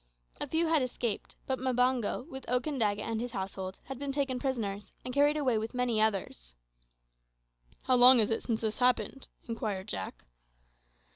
A few had escaped; but Mbango, with Okandaga and his household, had been taken prisoners, and carried away with many others. "How long is it since this happened?" inquired Jack.